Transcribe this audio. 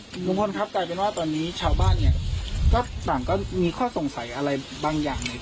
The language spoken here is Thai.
ครับคุณคนครับแต่ตอนนี้ชาวบ้านเนี่ยก็ส่งใจอะไรบางอย่างในตัวเรานะเกี่ยวกับเรื่องคดีพวกพวก